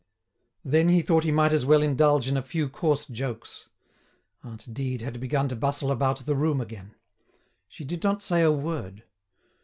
Then he thought he might as well indulge in a few coarse jokes. Aunt Dide had begun to bustle about the room again. She did not say a word.